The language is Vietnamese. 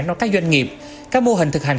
trong các doanh nghiệp các mô hình thực hành